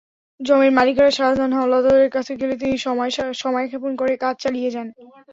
জমির মালিকেরা শাহজাহান হাওলাদারের কাছে গেলে তিনি সময়ক্ষেপণ করে কাজ চালিয়ে যান।